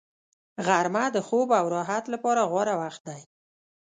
غرمه د خوب او راحت لپاره غوره وخت دی